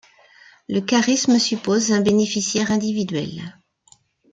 Le charisme suppose un bénéficiaire individuel.